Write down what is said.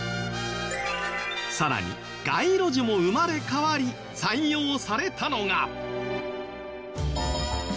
更に街路樹も生まれ変わり採用されたのが。